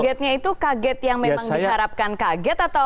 kagetnya itu kaget yang memang diharapkan kaget atau